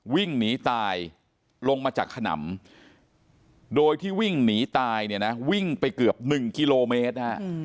วิ่งหนีตายลงมาจากขนำโดยที่วิ่งหนีตายเนี่ยนะวิ่งไปเกือบ๑กิโลเมตรนะฮะ